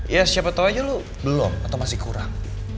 ya siapa tau aja lu belum atau masih kurang